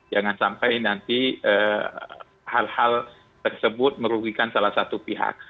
jangan sampai nanti hal hal tersebut merugikan salah satu pihak